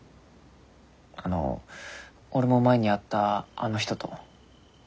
あの俺も前に会ったあの人と。